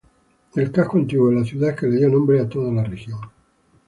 El casco antiguo de la ciudad que le dio nombre a toda la región.